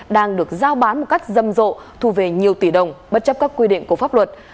đang được giao bán một cách râm rộ thu về nhiều tỷ đồng bất chấp các quy định của pháp luật